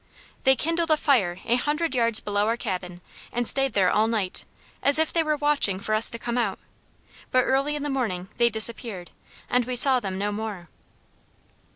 They kindled a fire a hundred yards below our cabin and stayed there all night, as if they were watching for us to come out, but early in the morning they disappeared, and we saw them no more.